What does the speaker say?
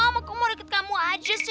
pom pom kok mau deket kamu aja sih